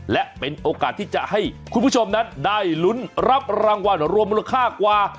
และเป็นโอกาสที่จะให้คุณผู้ชมนั้นได้ลุ้นรับรางวัลรวมมูลค่ากว่า